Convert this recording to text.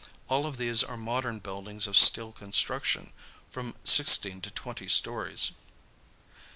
All of these are modern buildings of steel construction, from sixteen to twenty stories.